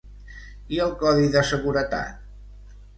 I el codi de seguretat?